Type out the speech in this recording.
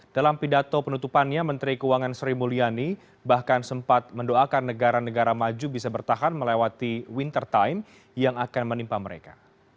dalam pidato penutupannya menteri keuangan sri mulyani bahkan sempat mendoakan negara negara maju bisa bertahan melewati winter time yang akan menimpa mereka